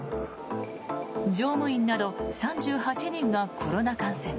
乗務員など３８人がコロナ感染。